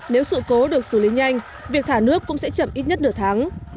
nếu sự cố được xử lý nhanh việc thả nước cũng sẽ chậm ít nhất nửa tháng